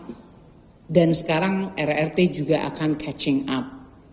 kemudian korea selatan dan sekarang rrt juga akan catching up